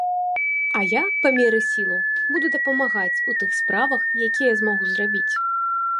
А я, па меры сілаў, буду дапамагаць у тых справах, якія змагу зрабіць.